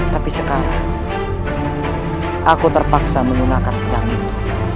tapi sekarang aku terpaksa menggunakan pegang ini